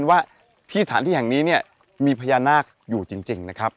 ว่าที่สถานที่แห่งนี้เนี่ยมีพญานาคอยู่จริงนะครับ